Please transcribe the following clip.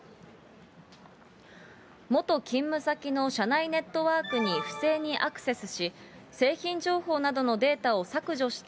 元勤務先の社内ネットワークに不正にアクセスし、製品情報などのデータを削除して、